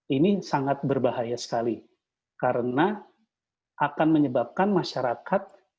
ini sangat berbahaya sekali karena akan menyebabkan masyarakat